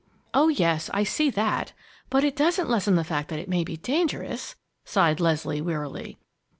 "Oh, yes, I see that, but it doesn't lessen the fact that it may be dangerous!" sighed Leslie, wearily.